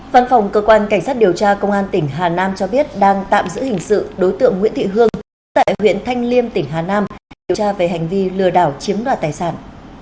văn phòng cơ quan cảnh sát điều tra công an tỉnh hà nam cho biết đang tạm giữ hình sự đối tượng nguyễn thị hương chú tại huyện thanh liêm tỉnh hà nam điều tra về hành vi lừa đảo chiếm đoạt tài sản